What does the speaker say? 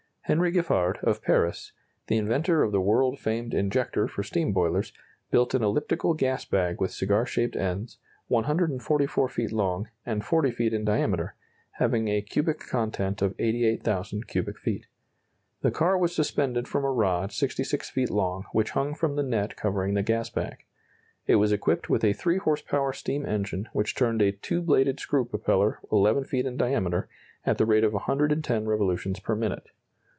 Henry Giffard, of Paris, the inventor of the world famed injector for steam boilers, built an elliptical gas bag with cigar shaped ends, 144 feet long, and 40 feet in diameter, having a cubic content of 88,000 cubic feet. The car was suspended from a rod 66 feet long which hung from the net covering the gas bag. It was equipped with a 3 horse power steam engine which turned a two bladed screw propeller 11 feet in diameter, at the rate of 110 revolutions per minute.